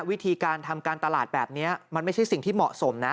วิธีการทำการตลาดแบบนี้มันไม่ใช่สิ่งที่เหมาะสมนะ